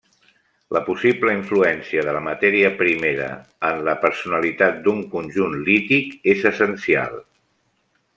La possible influència de la matèria primera en la personalitat d'un conjunt lític és essencial.